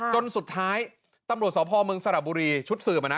จนสุดท้ายตำรวจสพเมืองสระบุรีชุดสืบอ่ะนะ